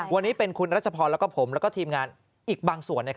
วันนี้เป็นคุณรัชพรแล้วก็ผมแล้วก็ทีมงานอีกบางส่วน